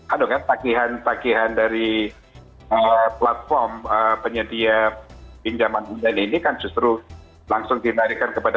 aduh kan pakihan pakihan dari platform penyedia pindah pindah ini kan justru langsung ditarikkan kepada